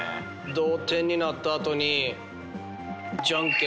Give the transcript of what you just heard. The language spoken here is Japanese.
同点になった後に。